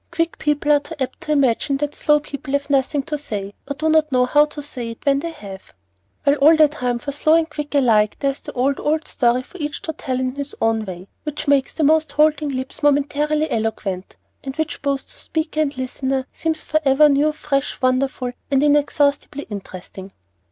Quick people are too apt to imagine that slow people have nothing to say, or do not know how to say it when they have; while all the time, for slow and quick alike, there is the old, old story for each to tell in his own way, which makes the most halting lips momentarily eloquent, and which both to speaker and listener seems forever new, fresh, wonderful, and inexhaustibly interesting.